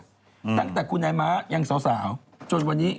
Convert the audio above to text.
ตั้งแต่คุณนายม้ายังสาวสาวจนวันนี้